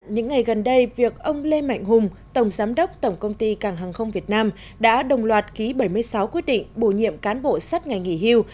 những ngày gần đây việc ông lê mạnh hùng tổng giám đốc tổng công ty cảng hàng không việt nam đã đồng loạt ký bảy mươi sáu quyết định bổ nhiệm cán bộ sắt ngày nghỉ hưu